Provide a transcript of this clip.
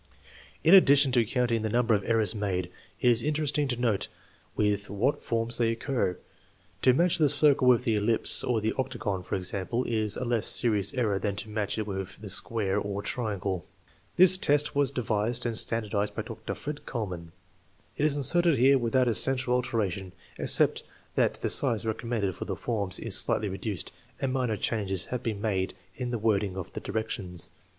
In addition to counting the number of errors made, it is interesting to note with what forms they occur. To match the circle with the ellipse or the octagon, for example, is a less serious error than to match it with the square or triangle. This test was devised and standardized by Dr. Fred Kuhlmann. It is inserted here without essential altera 154 THE MEASUEEMENT OF INTELLIGENCE tion, except that the size recommended for the forms is slightly reduced and minor changes have been made in the wording of the directions.